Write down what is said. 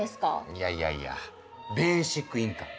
いやいやいや「ベーシックインカム」。